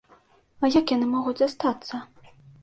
А як яны могуць застацца?